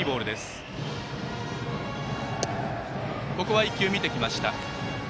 ここは１球、見てきました。